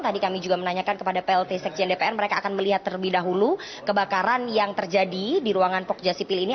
tadi kami juga menanyakan kepada plt sekjen dpr mereka akan melihat terlebih dahulu kebakaran yang terjadi di ruangan pogja sipil ini